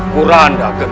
pura anda geng